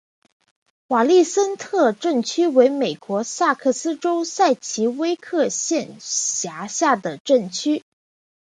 瓦利森特镇区为美国堪萨斯州塞奇威克县辖下的镇区。